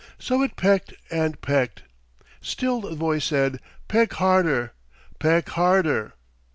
So it pecked and pecked. Still the voice said, 'Peck harder, peck harder.'